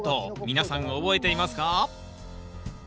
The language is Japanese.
皆さん覚えていますか？